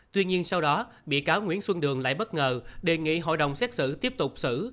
tuy nhiên sau đó bị cáo nguyễn xuân đường lại bất ngờ đề nghị hội đồng xét xử tiếp tục xử